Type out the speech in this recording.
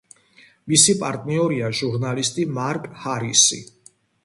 მისი პარტნიორია ჟურნალისტი მარკ ჰარისი.